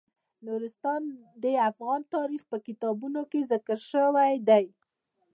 نورستان د افغان تاریخ په کتابونو کې ذکر شوی دي.